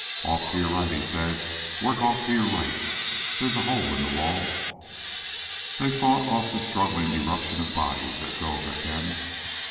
"Off to your right," he said. "Work off to your right. There's a hole in the wall " They fought off the struggling eruption of bodies that drove at them.